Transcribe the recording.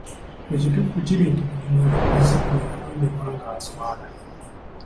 Ekituufu kiri nti buli muntu ku nsi kuno yatondebwa nga aswala.